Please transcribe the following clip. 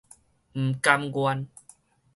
毋甘願